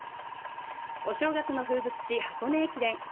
お正月の風物詩、箱根駅伝。